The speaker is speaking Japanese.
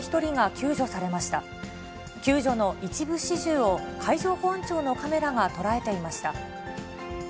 救助の一部始終を海上保安庁のカメラが捉えていました。